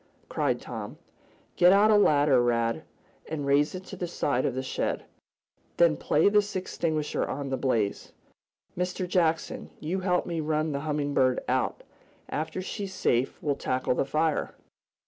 cried Tom. "Get out a ladder, Rad, and raise it to the side of the shed. Then play this extinguisher on the blaze. Mr. Jackson, you help me run the Humming Bird out. After she's safe we'll tackle the fire."